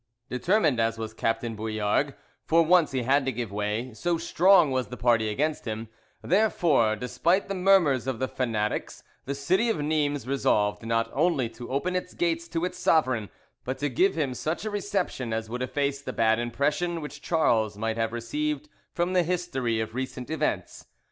Determined as was Captain Bouillargues, for once he had to give way, so strong was the party against him; therefore, despite the murmurs of the fanatics, the city of Nimes resolved, not only to open its gates to its sovereign, but to give him such a reception as would efface the bad impression which Charles might have received from the history of recent events.